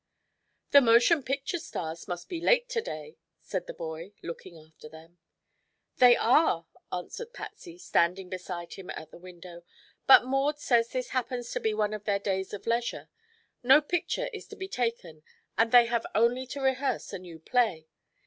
"The motion picture stars must be late to day," said the boy, looking after them. "They are," answered Patsy, standing beside him at the window; "but Maud says this happens to be one of their days of leisure. No picture is to be taken and they have only to rehearse a new play.